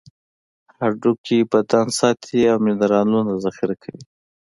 هډوکي بدن ساتي او منرالونه ذخیره کوي.